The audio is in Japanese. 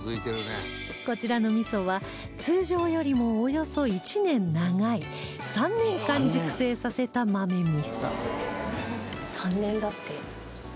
こちらの味は通常よりもおよそ１年長い３年間熟成させた豆味